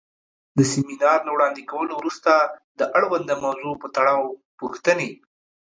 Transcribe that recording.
د سمینار له وړاندې کولو وروسته د اړونده موضوع پۀ تړاؤ پوښتنې